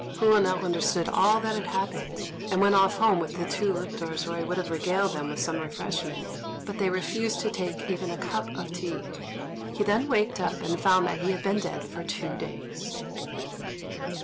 Hou now understood all that had happened, and went off home with the two lictors where he would have regaled them with some refreshment, but they refused to take even a cup of tea. He then waked up and found that he had been dead for two days.